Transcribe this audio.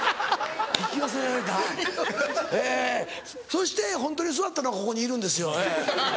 そしてホントに座ったのがここにいるんですよ。